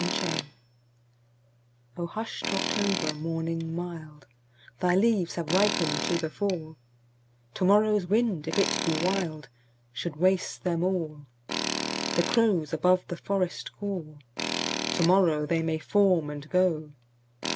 30. October O HUSHED October morning mild, Thy leaves have ripened to the fall; To morrow's wind, if it be wild, Should waste them all. The crows above the forest call; To morrow they may form and go.